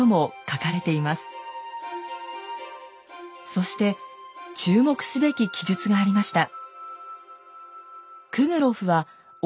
そして注目すべき記述がありました。